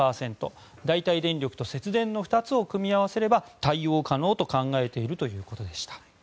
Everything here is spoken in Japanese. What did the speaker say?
代替電力と節電の２つを組み合わせれば対応可能と考えているということでした。